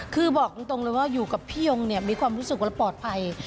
คือบอกตรงเลยว่าอยู่กับพี่ยงเนี่ยมีความรู้สึกว่าปลอดภัย